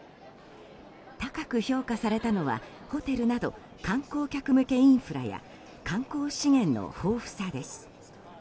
高く評価されたのはホテルなど観光客向けインフラや観光資源の豊富さです。